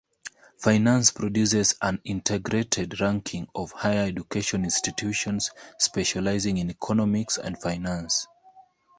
"Finance" produces an integrated ranking of higher education institutions specialising in economics and finance.